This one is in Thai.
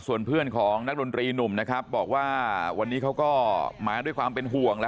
ส่วนเพื่อนของนักดนตรีหนุ่มนะครับบอกว่าวันนี้เขาก็มาด้วยความเป็นห่วง